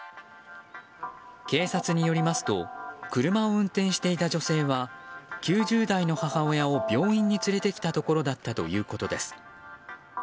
警察によりますと車を運転していた女性は９０代の母親を病院に連れてきたところだったということです。